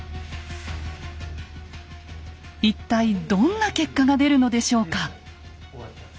一体どんな結果が出るのでしょうか。